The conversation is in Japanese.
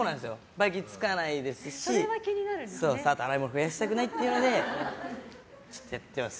ばい菌つかないですし洗い物増やしたくないっていうのでちょっと、やってます。